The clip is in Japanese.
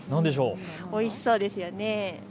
おいしそうですよね。